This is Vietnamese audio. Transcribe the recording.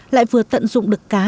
lại vừa tận dụng được cá